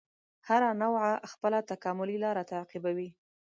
هره نوعه خپله تکاملي لاره تعقیبوي.